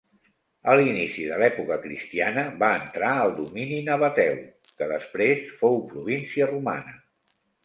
A l'inici de l'època cristiana va entrar al domini nabateu, que després fou província romana.